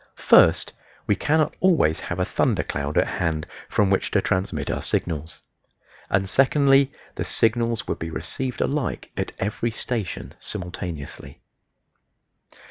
First, we cannot always have a thunder cloud at hand from which to transmit our signals, and, secondly, the signals would be received alike at every station simultaneously.